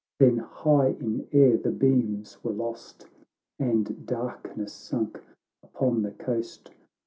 Then high in air the beams were lost, And darkness sunk upon the coast.